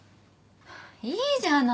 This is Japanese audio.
いいじゃない。